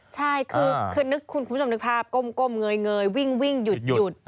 ใช่คือนึกคุณผู้ชมนึกภาพก้มเงยวิ่งหยุด